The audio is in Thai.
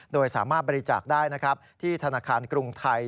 โดยสามารถบริจาคได้นะครับที่ธนาคารกรุงไทย